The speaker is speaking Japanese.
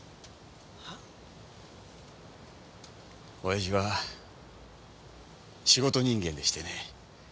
親父は仕事人間でしてね。